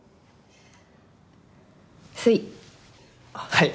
はい！